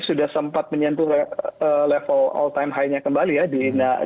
sudah sempat menyentuh level all time high nya kembali ya di tujuh ribu tujuh puluh